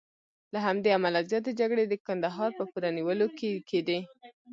له همدې امله زیاتې جګړې د کندهار د پوره نیولو لپاره کېدې.